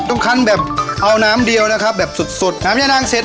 ทุกคันแบบเอาน้ำเดียวนะครับแบบสุดสุดน้ำย่านางเสร็จ